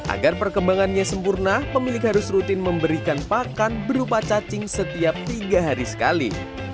agar perkembangannya sempurna pemilik harus rutin memberikan pakan berupa cacing setiap tiga hari sekali